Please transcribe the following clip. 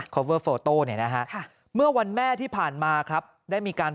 เวอร์โฟโต้เนี่ยนะฮะเมื่อวันแม่ที่ผ่านมาครับได้มีการ